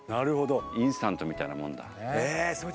インスタントみたいなもんだ。